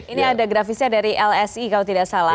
ini ada grafisnya dari lsi kalau tidak salah